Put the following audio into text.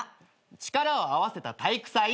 力を合わせた体育祭。